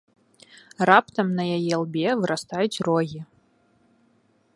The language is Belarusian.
Раптам на яе лбе вырастаюць рогі.